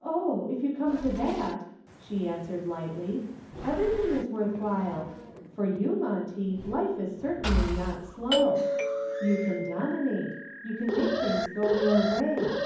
"Oh, if you come to that," she answered, lightly, "everything is worth while. For you, Monty, life is certainly not slow. You can dominate; you can make things go your way.